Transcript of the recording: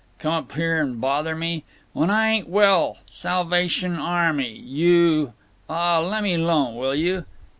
Come up here and bother me. When I ain't well. Salvation Army. You——. Aw, lemme 'lone, will you?"